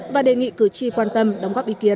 và đề nghị cử tri quan tâm đóng góp ý kiến